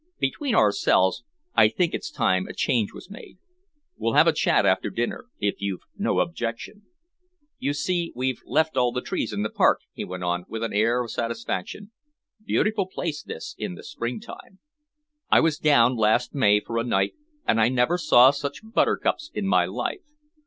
Between ourselves, I think it's time a change was made. We'll have a chat after dinner, if you've no objection. You see, we've left all the trees in the park," he went on, with an air of satisfaction. "Beautiful place, this, in the springtime. I was down last May for a night, and I never saw such buttercups in my life.